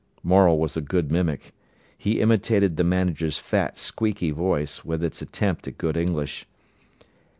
Morel was a good mimic. He imitated the manager's fat, squeaky voice, with its attempt at good English.